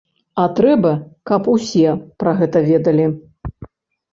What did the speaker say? А трэба, каб усе пра гэта ведалі.